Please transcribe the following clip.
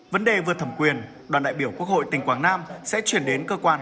vấn đề vừa thẩm quyền đoàn đại biểu quốc hội tỉnh quảng nam sẽ chuyển đến cơ quan